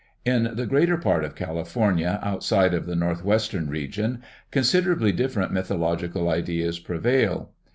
In the greater part of California outside of the northwestern region considerably different mythological ideas prevail.